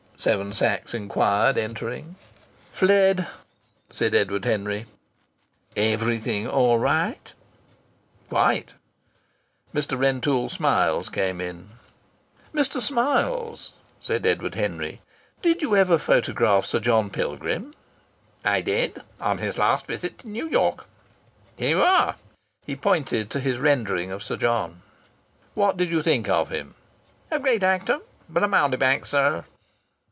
Seven Sachs inquired, entering. "Fled!" said Edward Henry. "Everything all right?" "Quite!" Mr. Rentoul Smiles came in. "Mr. Smiles," said Edward Henry, "did you ever photograph Sir John Pilgrim?" "I did, on his last visit to New York. Here you are!" He pointed to his rendering of Sir John. "What did you think of him?" "A great actor, but a mountebank, sir."